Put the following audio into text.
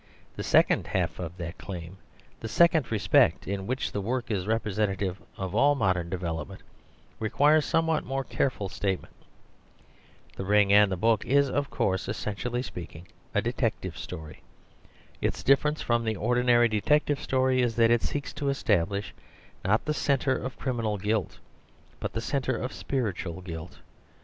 The second half of that claim, the second respect in which the work is representative of all modern development, requires somewhat more careful statement. The Ring and the Book is of course, essentially speaking, a detective story. Its difference from the ordinary detective story is that it seeks to establish, not the centre of criminal guilt, but the centre of spiritual guilt.